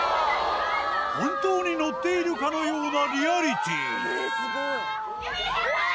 本当に乗っているかのようなリアリティーあぁ！